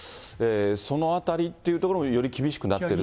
そのあたりっていうところもより厳しくなってると。